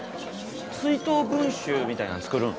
追悼文集みたいなの作るん？